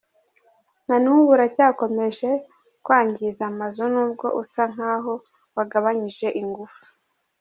Na n’ubu uracyakomeje kwangiza amazu n’ubwo usa nk’aho wagabanyije ingufu.